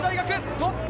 トップで